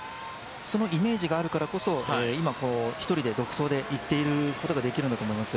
そのイメージがあるからこそ、今、１人で独走で行くことができるんだと思います。